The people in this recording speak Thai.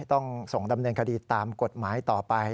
ต้องส่งดำเนินคดีตามกฎหมายต่อไป